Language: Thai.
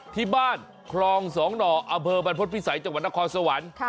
ที่บ้านคลองสองหน่ออำเภอบรรพฤษภิษัยจังหวัดนครสวรรค์